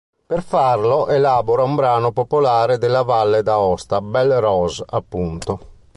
Per farlo elabora un brano popolare della Valle d'Aosta, Belle Rose, appunto.